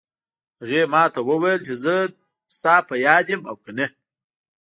هغې ما ته وویل چې زه د تا په یاد یم او که نه